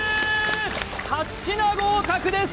８品合格です